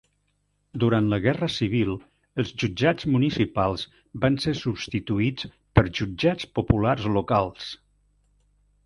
Durant la Guerra civil, els Jutjats Municipals van ser substituïts per Jutjats Populars Locals.